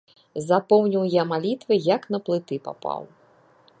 Запомніў я малітвы, як на плыты папаў.